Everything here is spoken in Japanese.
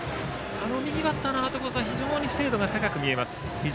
右バッターのアウトコースは非常に精度が高く見えます。